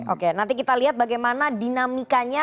oke nanti kita lihat bagaimana dinamikanya